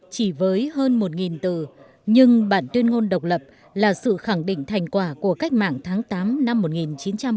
chỉ với hơn một từ nhưng bản tuyên ngôn độc lập là sự khẳng định thành quả của cách mạng tháng tám năm một nghìn chín trăm bốn mươi năm